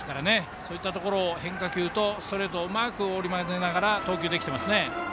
そういったところで、変化球とストレートをうまく織り交ぜながらうまく投球できています。